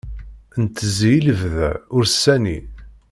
Ntezzi i lebda, ur sani.